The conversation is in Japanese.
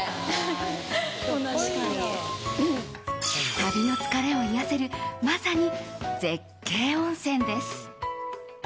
旅の疲れを癒やせるまさに絶景温泉です。